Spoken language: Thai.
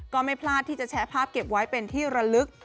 ก็ไม่พลาดที่จะแชร์ภาพเก็บไว้เป็นที่ระลึก